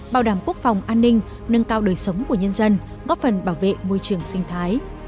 bảo đảm quốc phòng an ninh nâng cao đời sống của nhân dân góp phần bảo vệ môi trường sinh thái